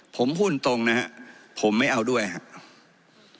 ผมพูดตรงนะครับผมไม่เอาด้วยครับ